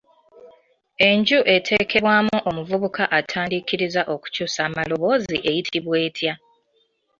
Enju eteekebwamu omuvubuka atandiikiriza okukyusa amaloboozi eyitibwa etya?